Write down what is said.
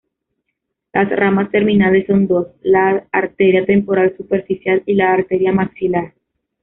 Las ramas terminales son dos: la arteria temporal superficial y la arteria maxilar.